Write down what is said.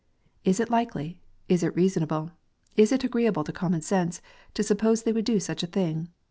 Is it likely, is it reasonable, is it agreeable to common sense, to suppose they would do such a thing 1